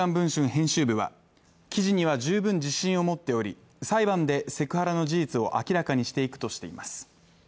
編集部は記事には十分自信を持っており裁判でセクハラの事実を明らかにしていくとしています。